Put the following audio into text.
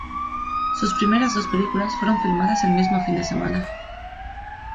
Sus primeras dos películas fueron filmadas el mismo fin de semana.